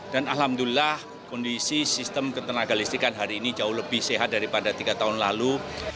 dan alhamdulillah kondisi sistem ketenaga listikan hari ini jauh lebih sehat daripada tiga tahun lalu